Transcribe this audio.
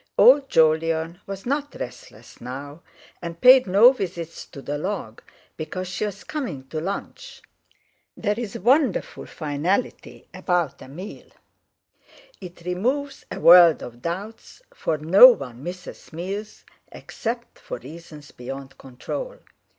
Old Jolyon was not restless now, and paid no visits to the log, because she was coming to lunch. There is wonderful finality about a meal; it removes a world of doubts, for no one misses meals except for reasons beyond control.